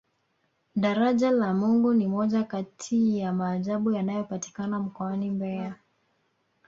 daraja la mungu ni moja Kati ya maajabu yanayopatikana mkoani mbeya